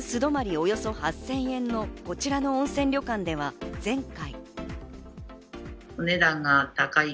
およそ８０００円のこちらの温泉旅館では、前回。